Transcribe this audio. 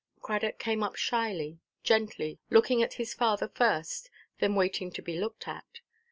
Cradock came up shyly, gently, looking at his father first, then waiting to be looked at.